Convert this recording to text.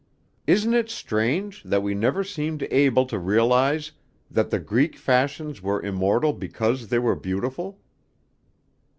Isn't it strange that we never seemed able to realize that the Greek fashions were immortal because they were beautiful?"